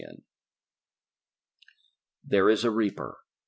net There Is A Reaper